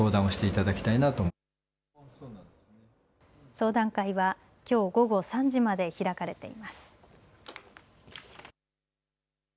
相談会はきょう午後３時まで開かれています。